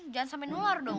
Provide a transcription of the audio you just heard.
jangan sampai nular dong